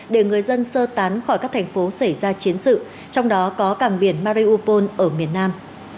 để người dân sơ tán khỏi các thành phố xảy ra chiến sự trong đó có cảng biển marayupol ở miền nam